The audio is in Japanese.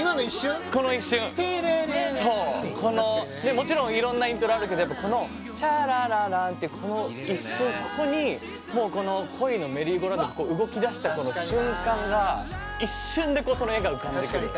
もちろんいろんなイントロあるけどやっぱこの「チャラララン」ってこの一瞬ここに恋のメリーゴーラウンドが動き出した瞬間が一瞬でその絵が浮かんでくる。